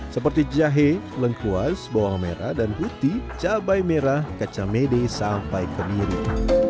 seperti jahe lengkuas bawang merah dan putih cabai merah kacamede sampai ke mirip